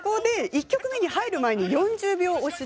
１曲目に入る前に４０秒押し。